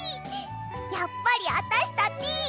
やっぱりあたしたち。